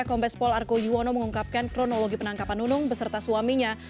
kombes pol argo yuwono mengungkapkan kronologi penangkapan nunung beserta suaminya